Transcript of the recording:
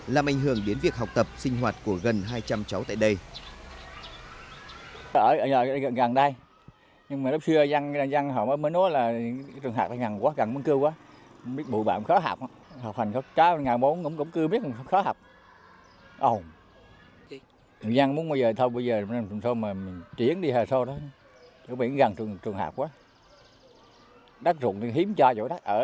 làm ảnh hưởng đến việc học tập sinh hoạt của gần hai trăm linh cháu tại đây